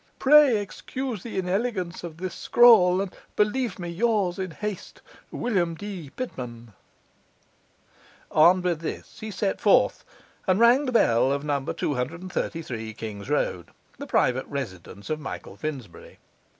Pray excuse the inelegance of this scrawl, and believe me yours in haste, William D. Pitman.' Armed with this he set forth and rang the bell of No. 233 King's Road, the private residence of Michael Finsbury.